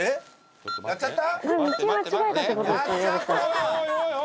やっちゃった？